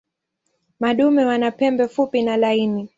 Madume wana pembe fupi na laini.